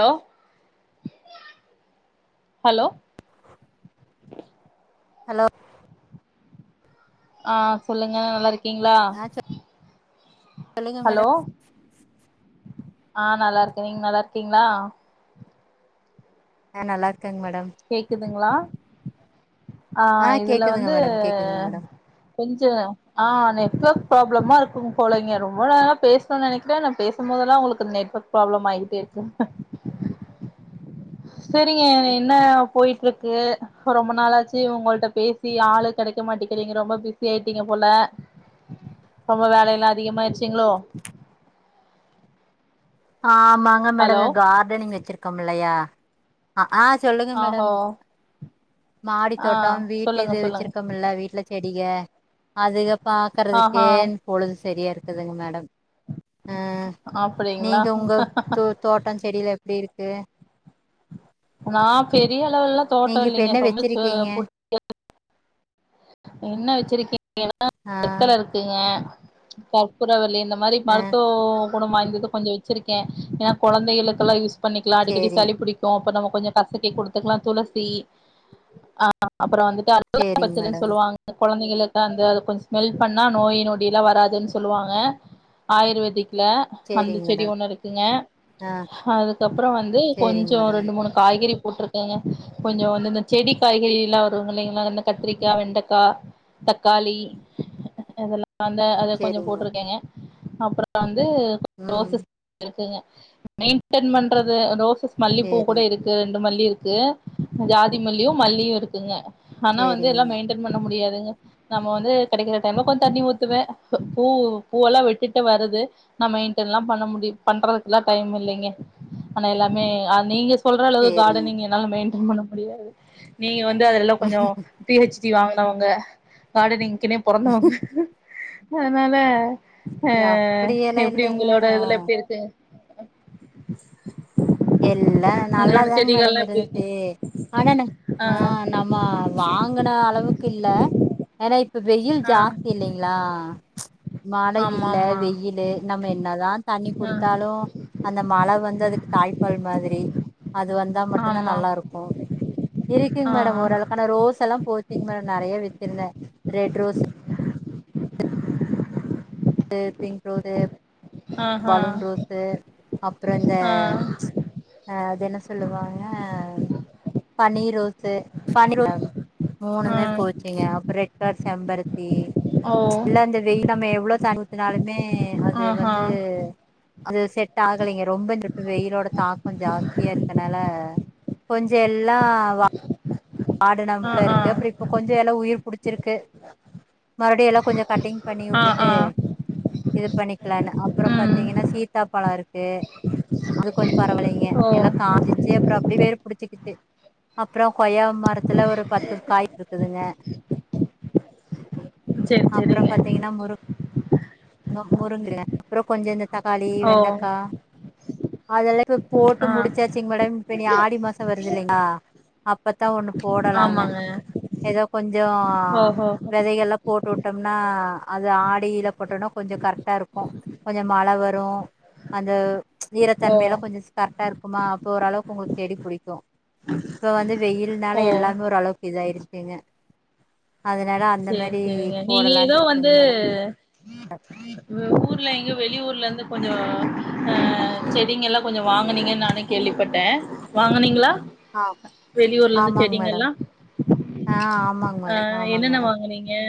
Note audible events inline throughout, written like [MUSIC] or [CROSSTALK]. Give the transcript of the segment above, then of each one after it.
hello hello hello ஆ சொல்லுங்க நல்லா இருக்கீங்ளா ஆ சொல்லுங்க மேடம் ஆ நல்லா இருக்கே நீங்க நல்லா இருக்கீங்ளா அ நல்லா இருக்கங் மேடம் துங்ளா ஆ இதுல கேக்குதுங்க வந்து மேடம் கேக்குதுங்க மேடம் கொஞ்சோ ஆ நெட்வொர்க் ப்ராப்ளமா இருக்கும் போலைங்க ரொம்ப நேரோ பேசணுனு நெனக்கிறே நா பேசும்போதெல்லா உங்களுக்கு நெட்வொர்க் பிராப்ளம் ஆயிட்டே சரிங்க என்ன போயிட்டுருக்கு ரொம்ப நாளாச்சு உங்கொள்ட்ட பேசி ஆளு கெடைக்க மாட்டிக்கிறீங்க ரொம்ப பிஸி ஆயிட்டீங்க போ ல ரொம்ப வேல எல்லா அதிகமாயிருச்சிங்ளோ ஆமாங்க மேடம் கார்டனிங் வெச்சிருக்கோம் இல்லயா ஆ சொல்லுங்க ஆஹோ மேடம் மாடி ஆ தோட்டோ வீட்டு சொல்லுங்க இது சொல்லுங்க வெச்சிருக்கம்ல்ல வீட்ல செடிக அதுக பாக்கறதுக்கே ஆஹா பொழுது சரியா இருக்குதுங்க மேடம் ஆ அப்டி நீங்க உங்க தோ தோட்டோ செடியெல்லா எப்டி இருக்கு நா பெரிய அளவெல்லா தோட்டோ நீங்க இப்ப இல்லைங்க என்ன ரொம்ப சு வச்சிருக்கீங்க குட் [INAUDIBLE] என்ன வெச்சிருக்கீங் ஆ [INAUDIBLE] வெத்தல இருக்குங்க கற்பூறவல்லி இந்த மாரி ஆ மருத்துவோ குணமா இந்த இது கொஞ்சோ வெச்சிருக்கே ஏனா கொழந்தைகளுக்கெல்லா யூஸ் பண்ணிக்கலா அடிக்கடி சேரிங் சளி புடிக்கு அப்ப நம்ம கொஞ்சோ கசக்கி குடுத்துக்கலா துளசி ஆ அப்றோ வந்துட் சேரிங் டு [INAUDIBLE] மேடம் சொல்லுவாங்க கொழந்தைகளுக்கு அந்த கொஞ்சோ ஸ்மெல் பண்ணா நோய் நொடியெல்லா வராதுனு சொல்லுவாங்க ஆயுர்வேதிக் ல அந்த சேரிங் செடி மேடம் ஒண்ணு இருக்குங்க ஆ அதுக்கப்பறோ வந்து சேரிங் கொஞ்சோ மேடம் ரெண்டு மூணு காய்கறி போட்டிருக்கங்க கொஞ்சோ வந்து இந்த செடி காய்கறி எல்லா வருங் இல்லைங்ளா இந்த கத்திரிக்கா, வெண்டக்கா தக்காளி அதெல்லா அந்த அத கொஞ்சோ சேரிங் மேடம் போட்டிருக்கேங்க அப்றோ வந்து ம் ரோசஸ் இருக்குங்க மெயின்டென் பண்றது ரோசஸ் மல்லிப்பூ கூட சேரிங் இருக் மல்லி இருக்கு ஜாதி மல்லியு மல்லியு இருக்குங்க ஆனா வந்து சேரிங்க எல்லா மெயின்டென் பண்ண முடியாது நம்ம வந்து கெடைக்கற டைம்ல கொஞ்ச தண்ணி ஊத்துவே பூ பூ எல்லா வெட்டுட்டு வருது மெயின்டென்ல்லா பண்ண முடியு பண்றதுக்கெல்லா டைம் இல்லைங்க ஆனா எல்லாமே நீங்க சொல்ற அளவு சேரிங்க கார்டனிங் என்னால மைண்டைண் பண்ண முடியாது நீங்க வந்து அதெல்லா கொஞ்ச பி ஹெச் த்தி வாங்கினவங்க கார்டனிங்க்கனே பொறந்தவங்க அதனால அ அப்படியெல்லா எப்டி இல்லைங்க உங்களோட மேடம் இதுல எப்டி இருக்கு எல்ல நல்லா உங்களோட தாங்க மேடம் செடிகள்லா எப்டி இருக்கு இருந்தது ஆனா ஆ நம்ம வாங்கின அளவு க்கு இல்ல ஏன்னா இப்ப வெயில் ஆ ஜாஸ்தி இல்லைங்களா மழ ஆமா இல்ல ஆமா வெயில் நம்ம என்னதா தண்ணி ஆ குடுத்தாலு அந்த மழ வந்து அதுக்கு பால் மாதிரி அது வந்தா மட்டுந்தா ஆமா நல்லாருக்கு இருக்குங்க ஆ மேடம் ஓரளவுக்கான ரோஸ்ல்லா போச்சீங்க மேடம் நெறயாவச்சிருந்தே ரெட் ரோஸ் பிங்க் ரோஸ்சு ஆஹா பலூன் ரோஸ்சு அப்புற இந்த ஆ அ அது என்ன சொல்லுவாங்க பன்னீர் ரோசு [UNINTELLIGIBLE] ஆ மூணுமே போச்சுங்க அப்பற ரெடார்ட்ஸ் செம்பருத்தி ஓ இல்ல அந்த வெய நம்ம எவ்வளோ தண்ணுத்தினாலு மே அது ஆஹா வந்து அது செட் ஆகலைங்க ரொம்ப சொட்டு வெயிலோட தாக்க ஜாஸ்தியா இருக்கனால கொஞ்சோ எல்லா ஆ வாடனப்ல ஆ இருக்கு அப்றோ இப்ப கொஞ்ச எல உயிர் புடிச்சிருக்கு மறுபடி எல்லா கொஞ்சோ கட்டிங் ஆ பண்ணிவுட்டுட்டு ஆ இது பண்ணிக்கலானு அப்றோ ம் பாத்தீங்கன்னா சீத்தாப்பழ இருக்கு அது கொஞ் பரவலைங்க ஓ எல்லா காஞ்சிச்சு அப்றோ அப்டியே வேர் புடிச்சிக்கிச்சு அப்றோ கொய்யாம் மரத்துல ஒரு பத்து காய் இருக்குதுங்க சேரி சேரிங்க அப்பறம் பாத்தீங்கன்னா முரு ங்க முருங்க அப்றோ கொஞ்சோ இந்த தக்காளி ஓ வெண்டக்கா அதெல்லாத் இப்ப போட்டு ஆ முடிச்சாச்சிங்க மேடம் இப்ப இனி ஆடி மாசம் வருதில்லைங்களா அப்த்தா ஒண்ணு போடலாங்க ஆமாங்க எதோ கொஞ்சோ ஓஹோ விதைகள்லா போட்டுவுட் விட்டோம்னா அது ஆடியில போட்டோனா கொஞ்சோ கரெக்டா இருக்கு கொஞ்சோ மழ வரு அந்த ஓ ஈரத்தன்மைலா கொஞ்சோ கரெ க்டா இருக்குமா அப்ப ஓரளவுக்கு உங்களுக்கு செடி புடிக்கு இப்ப வந்து வெயில்னால ஓ எல்லாமே ஒரு அளவுக்கு இதாயிருச்சுங்க அதனால அந்த சேர் மாரி சேரிங்க நீங்க எதோ போடலான்ட்டு வந்து இருக்குங்க மேடம் ஊர்ல எங்கயோ வெளியூர் லருந்து கொஞ்சோ அ செடிங்கல்லா கொஞ்சோ வாங்குனீங்கன்னு நானு கேள்விப்பட்டே வாங்குனீங்களா ஆ வெளியூர்லருந்து ஆமாங்க மேடம் செடிங்கல்லா ஆ ஆமாங்க ஆ மேடம் ஆமாங்க என்னென்ன மேடம் வாங்குனீங்க ஏ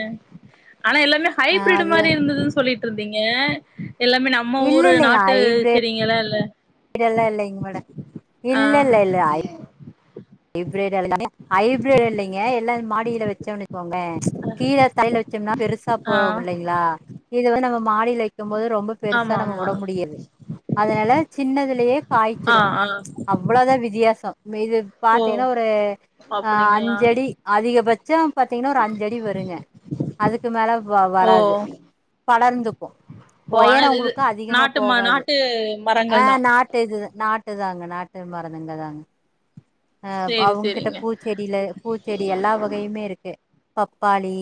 ஆனா எல்லாமே ஆ ஹைபிரிட் அது மாரி இருந்ததுனு சொல்லிட்டு இருந்தீங்க எல்லாமே நம்ம ஊரு நாட்டு செடிங்களா இல்ல அப்டி எல்லா இல்லைங்க மேடம் ஆ இல்ல இல்ல இல்ல அய் [UNINTELLIGIBLE] ஹைபிரிட் இல்லைங்க எல்லா மாடில வெச்சோனு வச் கோங்களே கீழ தரைல வச்சோம்னா பெருசா ஆ போவு இல்லைங்களா இதுவே நம்ம மாடில க்கும்போது ரொம்ப பெருசா ஆமா நம்ம ஆமா வுட முடியுது அதனால சின்னதுலயே ஆ காய்ச்சிரு ஆ அவ்வளோதா வித்தியாசோ ந்த இது ஓ பாத்தீயன்னா ஒரு ஆ அப்டிங்களா அஞ்சடி அதிகபட்சொ பாத்தீங்கன்னா ஒரு அஞ்சடி வருங்க அதுக்கு மேல வ ஓ வராது படர்ந்துக் கு ஓ ஆனா ஒயரொ இது உங்குளுக்கு அதிகமா நாட்டு ம போகாது நாட்டு ஆ மரங்கள் தா நாட்டு இது நாட்டுதாங்க நாட்டு மருந்துங்க தாங்க அ சேரி அவங்ககிட்ட சேரிங்க பூச்செடில பூச்செடி எல்லா வகையுமே இருக்கு பப் பாலி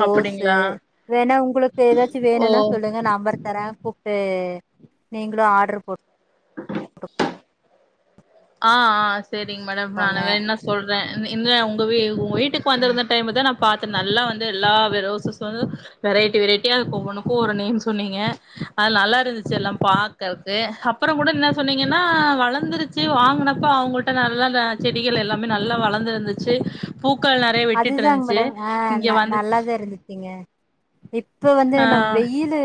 ரோஸு அப்டிங்களா வேணா உங்களுக்கு எதாச்சு ஓ வேணுனா சொல்லுங்க நம்பர் தரே கூப்ட்டு நீங்களு ஆர்டுர் போட் ஆ ஆ செரிங்க மேடம் போட்டுக்கோங்க நாளே வேணுன்னா சொல்ற ன் இன்ல உங்க வீ உங்க வீட்டுக்கு ம் வந்திருந்த டைம்முதா நா பாத்து நல்லா வந்து எல்லா வெ ரோசஸ்சு வந்து வெரைட்டி வெரைட்டியா அதுக்கு ஒவ்வொன்னுகோ ஒரு நேம் சொன்னீங்க அது நல்லா இருந்துச்சு எல்லா பாக்கறக்கு அப்புற கூட என்ன சொன்னீங்கன்னா வளந்துருச்சு வாங்குனப்ப அவங்கள்ட்ட நல்லா தா செடிகள் எல்லாமே நல்லா வளர் ந்த தந்துச்சு பூக்கள் நெறைய விட்டுட்டு அதுதாங்க இருந்ச்சு மேடம் ஆ இங்க ந வந்து நல்லாதா இருந்துச்சுங்க இப்ப வந்து ஆ நம் வெயிலு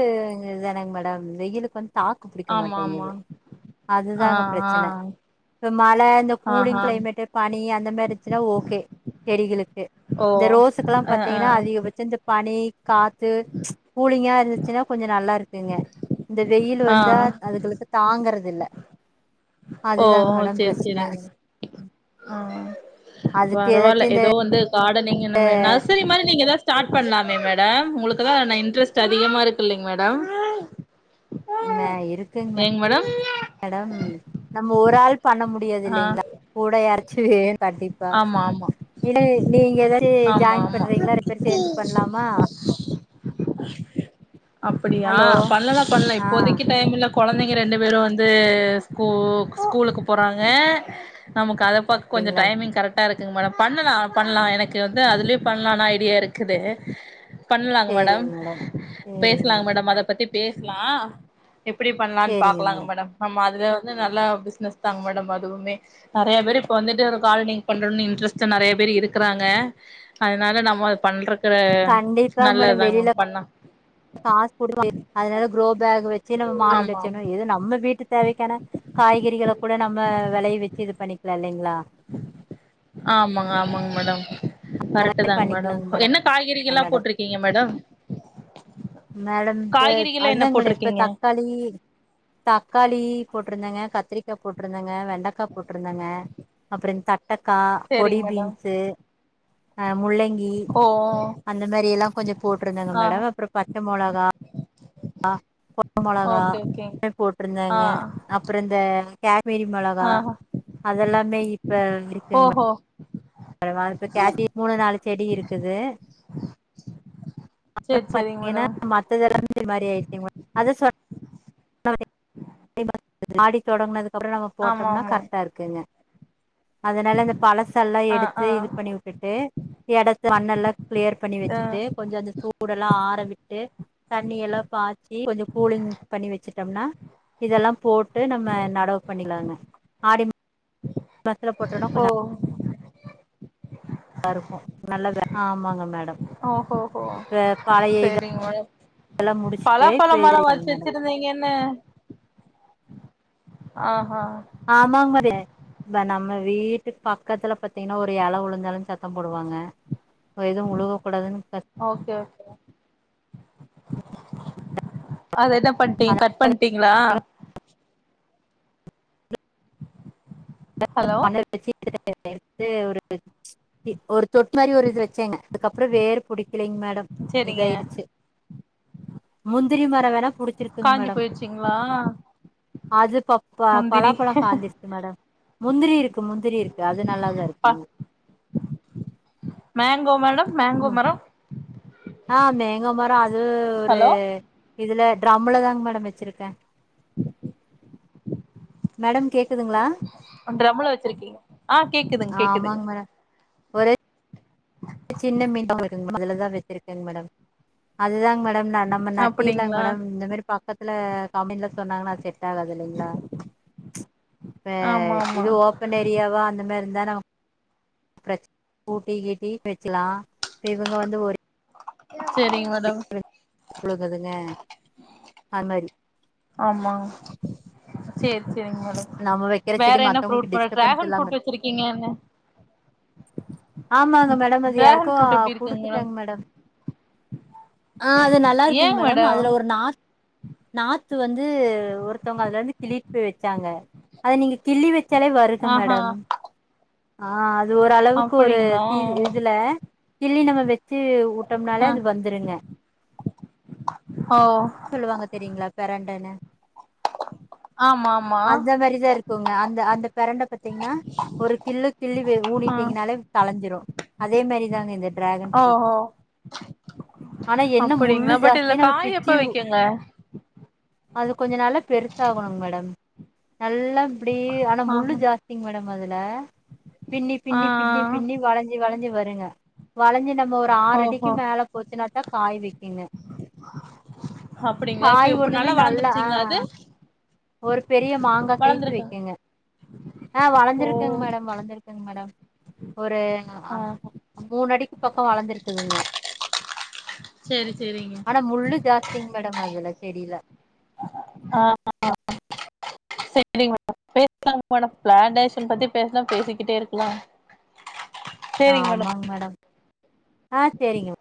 இதுதானங் மேடம் வெயிலுக்கு வந் தாக்கு புடிக்க ஆமா ஆமா மாட்டேங்குது ஆ அதுதாங்க ஆ பிரச்சன இப்ப மழ இந்த ஆஹா கூலிங் கிளைமேட்டு பனி அந்த மார் இருச்சுன்னா ஓகே தெடிகளுக் ஓ இந்த ரோஸ்சுக்குல்லா ஆ பாத்தீங்கன்னா அதிகபட்ச செஞ்ச பா பனி காத்து கூலிங்கா இருந்துச்சுன்னா கொஞ்சொ நல்லா இருத்துங்க இந்த வெயில் ஆ வந்தா ஆ அதுகளுக்கு தாங்குறதில்ல ஓ செரி பிரச்சன செரிங்க மே அ அதுக்கு ஏதாச்சு பரவால்ல இந்த எதோ வந்து கார்டனிங் இந்த மாரி நர்சரி மாரி நீங்க எதா ஸ்டார்ட் பண்லாமே மேடம் உங்களுக்குதா அந்த இன்ட்ரெஸ்ட் அதிகமா இருக்குல்லைங் மேடம் ம இருக்குங்க ஏங் மேடம் மேடம் நம்ம ஒரு ஆள் பண்ண முடியாது ஆ இல்லைங்களா கூட யாரச்சு வேண் கண்டிப்பா ஆமா ஆமா இன்ன நீங்க ஏதாச்சு ஆமா ஜாயின் ஆமா பண்றீங்களா ரெண்டு பேரு சேந்து பண்ணலாமா அப்படியா பண்ணலா பண்ணலா ஆ இப்போதைக்கு டைம்மில்ல கொழந்தைங்க ரெண்டு பேரு வந்து ஸ்கூ ஸ்கூலுக்கு போறாங்க நமக்கு அத பாக்க கொஞ்ச அப்டிங்களா டைமிங் கரெக்ட்டா இருக்கு மேடம் பண்ணலா பண்ணலா எனக்கு வந்து அதுலயு பண்ணலாணு ஐடியா இருக்குது பண்ணலாங்க மேடம் பேசலாங்க மேடம் அத பத்தி பேசலா எப்டி பண்ணலான்னு பாக்கலாங்க மேடம் ஆ அது வந்துந்து நல்ல பிசினஸ் தாங்க மேடம் அதுவுமே நெறைய பேர் இப்ப வந்துட்டு இரு காரனிங் பண்றோனு இன்ட்ரெஸ்ட நெறைய பேர் இருக்கறாங்க அதனால நம்ம பண்ற கண்டிப்பா மேடம் வெளியில காசு குடு அதனால குரோ பேக் வச் சின்ன மாடில ஆமா ஆமா வச்சன எது நம்ம வீட்டு தேவைக்கான காய்கறிகள கூட நம்ம வெலைய வச்சு இது பண்ணிக்கலா இல்லைங்க ஆமாங்க ஆமாங்க மேடம் கரெக்ட்டு மாதிரி தாங்க மேடம் பண்ணிக்கலாங்க என்ன காய்கறிகள்லா மேடம் போட்ருக்கீங்க மேடம் மேடம் இப்ப காய்கறிகள்லா என்ன அதுதாங்க மேடம் இப்ப போட்டிருக்கீங்க தக்காளி தக்கா ளி போட்ருந்தங்க கத்திரிக்கா போட்ருந்தங்க வெண்டைக்கா போட்ருந்தங்க அப்புற த மட்டக்கா கொடி சேரிங்க மேடம் பீன்ஸ்சு அ முள்ளங்கி ஓ அந்த மாரி எல்லா கொஞ்ச போட்ருந்தங்க ஆ மேடம் அப்புற பச்ச மொளகா கா கொ மொளகா ஓகே ஓகேங்க எல்லா ஆ போட்ருந்தாங்க அப்பற இந்த வேரி மொளகா ஆ அதெல்லாமே இப்ப இருக்குங்க ஓஹோ அப்புறமா இப்ப கேசி மூணு நாலு செடி இருக்குது அப்பற சேரி சேரிங்க பாத்தீங்கன்னா மேடம் மத்ததெல்லாமே இது மாரி ஆயிருச்சீங் மே அத சொ மாடி தொடங்குனதுக்குப்புற நம்ம ஆமா போட்டோம்னா ஆமா கரெக்டா இருக்குங்க அதனால அந்த பழசல்லா ஆ எடுத் ஆ து இது பண்ணி விட்டுட்டு எடத்து மண்ணல்லா கிளியர் பன்னி ஆ வச்சட்டு கொஞ் அந்த சூடெல்லா ஆர விட் ட்டு தண்ணிய எல்லா பாய்ச்சி கொஞ்ச கூலிங் பண்ணி வச்சு ட்டம்னா இதெல்லா போட்டு நம்ம நடவு பண்ணிடலாம்ங்க ஆடி மா மாத்தல போட்டோ நா ஓ கொஞ்ச நல்லா இருக்கு நல்ல ஆமாங்க மேடம் ஓஹோஹோ இப்ப பழைய செரிங் இதெல்லாம் [INAUDIBLE] பலா முடிச்சுட்டு பழ இப்ப இது மரோ வளத்து மேடம் வச்சிருந்தீங்கன்னு ஆ ஆமாங் [UNINTELLIGIBLE] இந்தா நம்ம வீட்டுக் பக்கத்துல பாத்தீங்கன்னா ஒரு எல உழுந்தாலு சத்தோ போடுவாங்க எதும் உழுகக் கூடாதுன்னு பத் அது என்ன பண்ட்டீங் அதை கட் பண்ட்டீங்ளா [INAUDIBLE] ஹலோ ஒருத் தொட்டி மாரி ஒரு இது வச்சேங்க அதுக்கப்றோ வேறு புடிக்கலைங் மேடம் சேரிங்க இதாயிருச்சு முந்திரி மரோ வேணம் காஞ்சி போயிருச்சிங்ளா அது ப ப பலாப்பழோ காஞ்சிருச்சு மேடம் முந்திரி இருக்கு முந்திரி இருக்கு அது நல்லாதா இருக்குங்க மேங்கோ மேடம் மேங்கோ ம் மரோ ஆ, மேங்கோ மரோ அது ஒரு ஹலோ இதுல ட்ரம்லதாங் மேடம் வச்சிருக்கே ஹ மேடம் கேக்குதுங்ளா அ டிரம்முல்ல வச்சிருக்கீங்க ஆ கேக்குதுங் ஆ கேக்குதுங்க ஆமாங்க மேடம் ஒரே சின்ன மீன் [INAUDIBLE] அதுலதா வெச்சிருக்கேங் மேடம் அதுதாங் மே டம் நா நம்ம நட்டிர்லாங் அப்டிங்களா மேடம் இந்த மேரி பக்கத்துல கம்பெனில சொன்னாங்கன்னா [UNINTELLIGIBLE] ட்டாகாது இல்லிங்களா ம்ச் அ ஆமா ஆமா இது ஓபன் எரியாவா அந்த மாரி தெனமு பிரச் ஊட்டி கீட்டி வெச்சிலா இப்ப இவுங்க வந்து ஒரு செரிங் [UNINTELLIGIBLE] புழுங்குதுங்க அது மாரி ஆமாங் சேரி செரிங்க மேடம் நம்ம வைக்கிற வேற செடி என்ன ஃப்ரூட் மத்தவங்களுக்கு பழோ டிஸ்டர்பன்ஸ் டிராகன் இல்லாம ஃப்ரூட் இருக்கு வச்சிருக்கீங்க என்ன ஆமாங்க மேடம் அது யாருக்கோ டிராகன் ஃப்ரூட் எப்டி இருக்குங்க குடுத்துட்டாங் மேடம் ஆ அது நல்லாருக்குங் மேடம் அதுல ஒரு நாத் நாத்து வந்து ஒருத்தவங்க அதுல இருந்து கிள்ளிட் போய் வெச்சாங்க அத நீங்க கிள்ளி வெச் ச்சாலே வருது ஆஹா மேடம் ஆ அது ஓரளவுக் ஒரு அப்டிங்களா தி இதுல கிள்ளி நம்ம வெச்சு வுட்டம்னாலே ஆ அது வந்துருங்க ஓ சொல்லுவாங்க தெரியிங்ளா பெரண்டன்னு ஆமா ஆமா அந்த மாரி தா இருக்குங்க அந்த அந்த பெரண்ட பாத்தீங்னா ஒரு கிள்ளு கிள்ளி வே ஆ ஊனிட்டீங்கனாலே கலஞ்சிரு அதே மாரிதாங்க இந்த டிராகன் ஃப்ரூட் ஓஹோ ஆனா என்ன அப்படிங்களா முள்ளு பட் இதுல ஜாஸ்தி நம்ம காய் எப்ப பிச்யு வைக்குங்க அது கொஞ்ச நாள்ல பெருசா ஆகணுங் மேடம் நல்லா இப்டி ஆனா முள்ளு ஆஹ ஜாஸ்திங் மேடம் அதுல பின்னி ஆ பின்னி பின்னிப் பின்னி வளஞ்சி வளஞ்சி வருங்க வளஞ்சி நம்ம ஒரு ஆ ‌ஆறடிக்கு ஓஹோ மேல போச்சுன்னாதா காய் வெய்க் அப்படிங்களா இப்ப காய் இப்ப ஒண்ணுமே நல்லா அ வளர்ந்துருச்சுங்களா அது ஒரு பெரிய மாங்கா சைஸ்சு வளர்ந்துருக்கா வெய்க்குங்க ஆ‌ ஓ வளந்திருக்குங் மேடம் வளந்திருக்குங் மேடம் ஒரு ஆ மூணு அடிக்கு பக்கோ வளந்திருக்குதுங்க சேரி சேரிங்க ஆனா முள்ளு ஜாஸ்திங் மேடம் அதுல செடியில அ [INAUDIBLE] செரிங்க மேடம் பேசலாங் மேடம் பிளான்டேஷன் பத்தி பேஸ்னா பேசிக்கிட்டே இருக்லாங் ஆமாங் மேடம் ஆ சேரிங்க